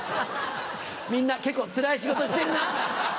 みんな結構つらい仕事してるな。